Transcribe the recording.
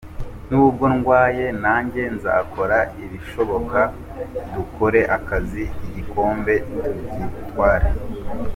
Nubwo ndwaye nanjye nzakora ibishoboka dukore akazi igikombe tugitware.